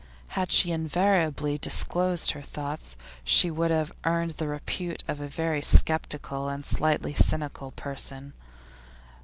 Had she invariably disclosed her thoughts, she would have earned the repute of a very sceptical and slightly cynical person.